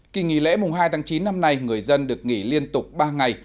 kỳ nghỉ lễ mùng hai tháng chín năm nay người dân được nghỉ liên tục ba ngày